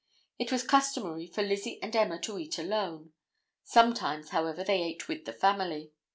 It was customary for Lizzie and Emma to eat alone; sometimes, however, they ate with the family.